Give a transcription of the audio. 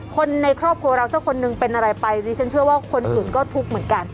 คนในครอบครัวเราสักคนหนึ่งเป็นอะไรไปดิฉันเชื่อว่าคนอื่นก็ทุกข์เหมือนกัน